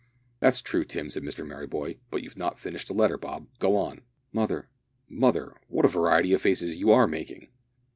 "That's true, Tim," said Mr Merryboy, "but you've not finished the letter, Bob go on. Mother, mother, what a variety of faces you are making!"